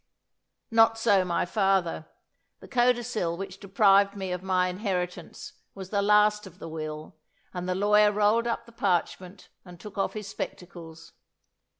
Not so my father: the codicil which deprived me of my inheritance, was the last of the will, and the lawyer rolled up the parchment and took off his spectacles.